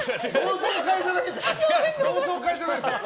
同窓会じゃないから。